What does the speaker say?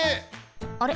あれ？